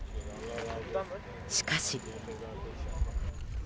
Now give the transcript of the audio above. しかし。